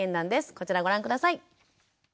こちらご覧下さい。